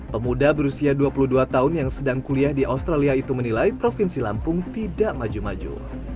pemuda berusia dua puluh dua tahun yang sedang kuliah di australia itu menilai provinsi lampung tidak maju maju